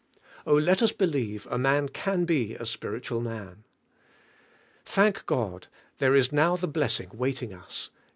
Oh, let us believe a man can be a spiritual man. Thank God, there is now the blessing waiting us.